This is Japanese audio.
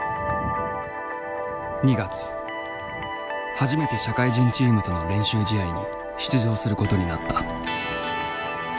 初めて社会人チームとの練習試合に出場することになった。